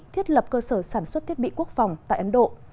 thiết lập cơ sở sản xuất thiết bị quốc phòng tại ấn độ